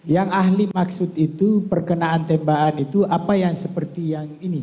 yang ahli maksud itu perkenaan tembakan itu apa yang seperti yang ini